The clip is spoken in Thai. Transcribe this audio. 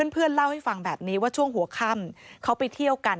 เพื่อนเล่าให้ฟังแบบนี้ว่าช่วงหัวค่ำเขาไปเที่ยวกัน